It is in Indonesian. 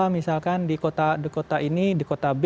misalkan di kota ini di kota b